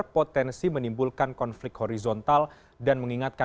pam sua karsa